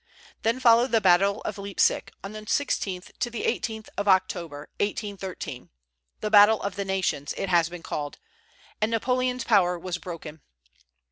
Then followed the battle of Leipsic, on the 16th to the 18th of October, 1813, "the battle of the nations," it has been called, and Napoleon's power was broken.